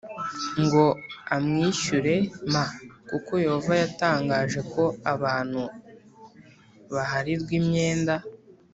ngo amwishyure m kuko Yehova yatangaje ko abantu baharirwa imyenda